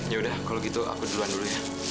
ya udah kalau gitu aku duluan dulu ya